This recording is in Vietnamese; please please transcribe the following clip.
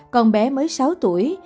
con bé mới sáu tuổi